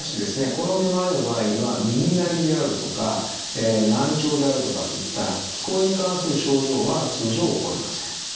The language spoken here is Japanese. このめまいの場合には耳鳴りであるとか難聴であるとかといった聞こえに関する症状は通常起こりません。